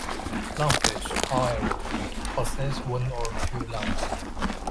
Lungfish, however, possess one or two lungs.